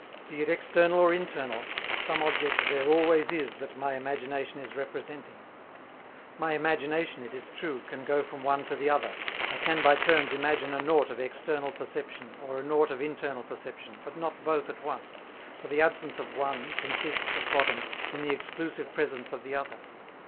Be it external or internal, some object there always is that my imagination is representing. My imagination, it is true, can go from one to the other, I can by turns imagine a nought of external perception or a nought of internal perception, but not both at once, for the absence of one consists, at bottom, in the exclusive presence of the other.